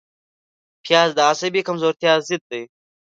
پیاز د عصبي کمزورتیا ضد دی